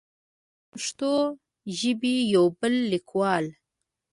د پښتو ژبې يو بل ليکوال